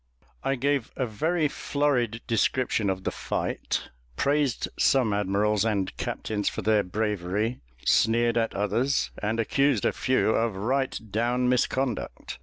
I gave a very florid description of the fight; praised some admirals and captains for their bravery, sneered at others, and accused a few of right down misconduct.